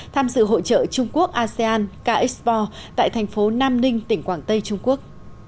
tham sự hội trợ trung quốc asean kxpor tại thành phố nam ninh tỉnh quảng tây trung quốc